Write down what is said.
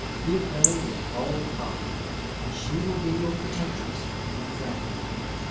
Give her your whole heart, and she will be your protectress and friend.